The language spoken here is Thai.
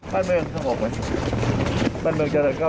พี่โอ้โฮนี่เป็นห่วงอะไรเป็นพิเศษไหมคะ